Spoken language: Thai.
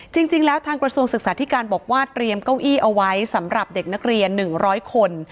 จริงแล้วทางกระทรวงศึกษาธิการบอกว่าเตรียมเก้าอี้เอาไว้สำหรับเด็กนักเรียน๑๐๐คน